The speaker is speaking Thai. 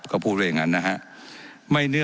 ว่าการกระทรวงบาทไทยนะครับ